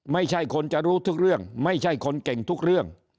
ไม่ใช่คนจะรู้ทุกเรื่องไม่ใช่คนเก่งทุกเรื่อง